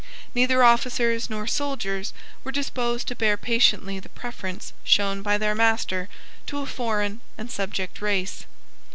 Neither officers nor soldiers were disposed to bear patiently the preference shown by their master to a foreign and a subject race.